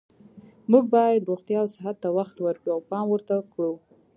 موږ باید روغتیا او صحت ته وخت ورکړو او پام ورته کړو